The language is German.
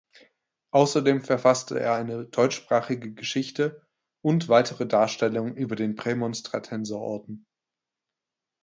Außerdem verfasste er eine deutschsprachige Geschichte und weitere Darstellungen über den Prämonstratenserorden.